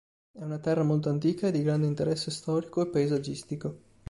È una terra molto antica e di grande interesse storico e paesaggistico.